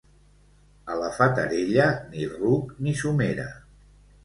A la Fatarella, ni ruc ni somera.